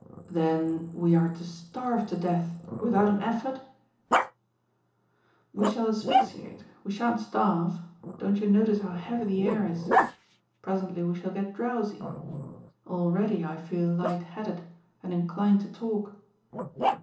"Then we are to starve to death without an effort?" "We shall asphyxiate, we shan't starve. Don't you notice how heavy the air is? Presently we shall get drowsy. Already I feel light headed and inclined to talk."